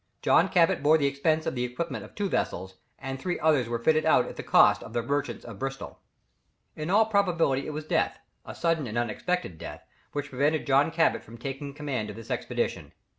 John Cabot bore the expense of the equipment of two vessels, and three others were fitted out at the cost of the merchants of Bristol. In all probability it was death a sudden and unexpected death which prevented John Cabot from taking the command of this expedition.